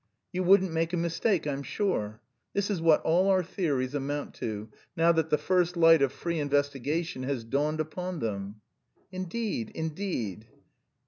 You wouldn't make a mistake, I'm sure. This is what all our theories amount to, now that the first light of free investigation has dawned upon them." "Indeed, indeed."